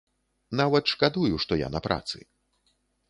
Нават шкадую, што я на працы.